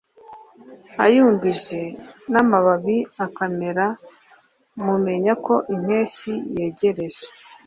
ayumbije n'amababi akamera mumenya ko impeshyi yegereje.